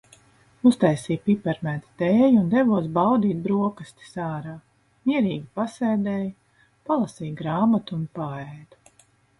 Uztaisīju piparmētru tēju un devos baudīt brokastis ārā. Mierīgi pasēdēju, palasīju grāmatu un paēdu.